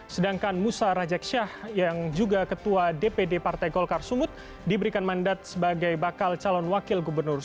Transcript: sedangkan musa rajek syah yang juga ketua dpd partai golkar sumut diberikan mandat sebagai bakal calon wakil gubernur